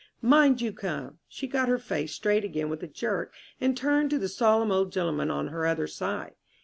"Mind you come." She got her face straight again with a jerk and turned to the solemn old gentleman on her other side.